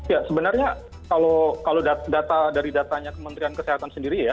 ya sebenarnya kalau data dari datanya kementerian kesehatan sendiri ya